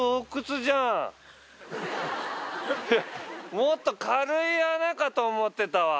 もっと軽い穴かと思ってたわ。